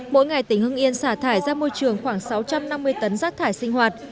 mỗi ngày tỉnh hưng yên xả thải ra môi trường khoảng sáu trăm năm mươi tấn rác thải sinh hoạt